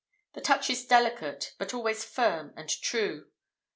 The touch is delicate, but always firm and true.